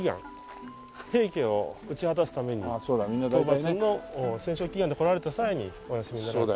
平家を討ち果たすために討伐の戦勝祈願で来られた際にお休みになられたと。